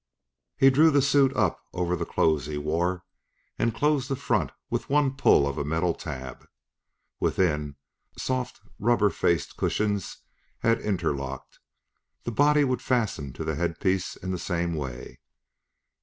He drew the suit up over the clothes he wore and closed the front with one pull of a metal tab. Within, soft rubber faced cushions had interlocked; the body would fasten to the headpiece in the same way.